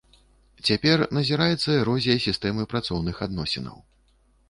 Цяпер назіраецца эрозія сістэмы працоўных адносінаў.